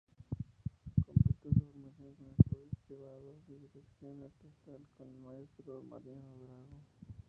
Completó su formación con estudios privados de dirección orquestal con el Maestro Mariano Drago.